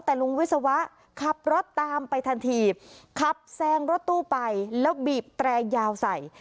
แต่ลุงวิศวะขับรถตามไปทันทีขับแซงรถตู้ไปแล้วบีบแตรยาวใส่